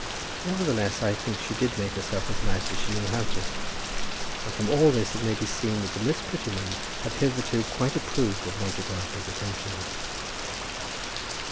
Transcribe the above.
Nevertheless, I think she did make herself as nice as she knew how to do. And from all this it may be seen that the Miss Prettymans had hitherto quite approved of Major Grantly's attentions.